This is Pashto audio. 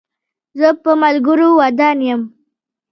زه په ملګرو ودان یم.